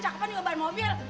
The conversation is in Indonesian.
cakepan nih beban mobil